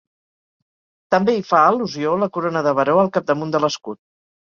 També hi fa al·lusió la corona de baró al capdamunt de l'escut.